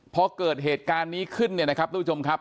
พอเกิดเหตุการณ์นี้ขึ้นเนี่ยนะครับทุกผู้ชมครับ